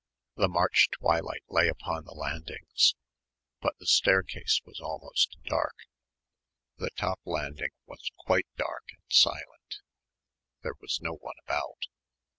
The March twilight lay upon the landings, but the staircase was almost dark. The top landing was quite dark and silent. There was no one about.